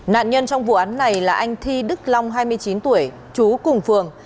nạn nhân trong vụ án này là anh thi đức long hai mươi chín tuổi chú cùng phường